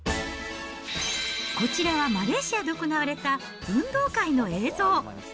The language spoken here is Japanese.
こちらはマレーシアで行われた運動会の映像。